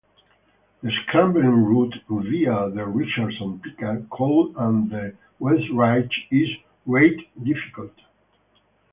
The scrambling route via the Richardson-Pika col and the west ridge is rated difficult.